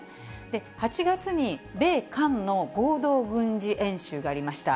８月に米韓の合同軍事演習がありました。